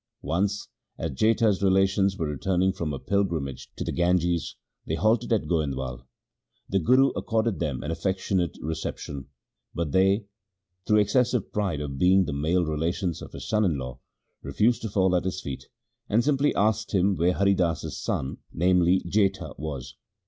Once as Jetha's relations were returning from a pilgrimage to the Ganges they halted at Goindwal. The Guru accorded them an affectionate reception ; but they, through excessive pride of being the male relations of his son in law, refused to fall at his feet, and simply asked him where Hari Das's son, namely Jetha, was.